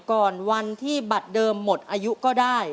ก่อนวันที่บัตรเดิมหมดอายุก็ได้